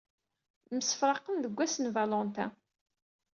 Msefraqen deg Wass n Valentin.